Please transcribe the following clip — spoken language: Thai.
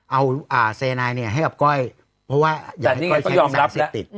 เอาเซอร์ไนเนี่ยให้กับก้อยเพราะว่าอยากให้ก้อยใช้สารเสพติด